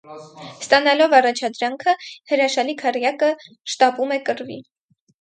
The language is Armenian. Ստանալով առաջադրանքը՝ հրաշալի քառյակը շտապում է կռվի։